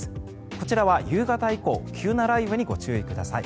こちらは夕方以降急な雷雨にご注意ください。